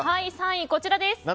３位はこちらです。